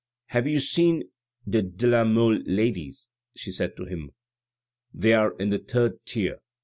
" Have you seen the de la Mole ladies ?" she said to him. " They are in the third tier."